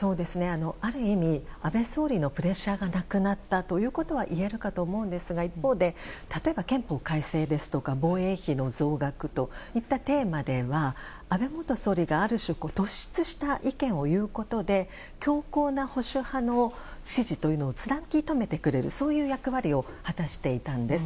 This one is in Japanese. ある意味、安倍総理のプレッシャーがなくなったというのはいえるかと思いますが一方で、例えば憲法改正ですとか防衛費の増額といったテーマでは安倍元総理が、ある種突出した意見を言うことで強硬な保守派の支持というのをつなぎとめてくれるそういう役割を果たしていたんです。